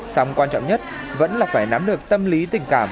song quan trọng nhất vẫn là phải nắm được tâm lý tình cảm